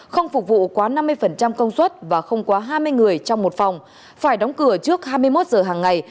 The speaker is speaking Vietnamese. không phục vụ quá năm mươi công suất và không quá hai mươi người trong một phòng phải đóng cửa trước hai mươi một giờ hàng ngày